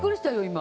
今。